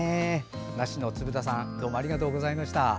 梨のつぶ太さんどうもありがとうございました。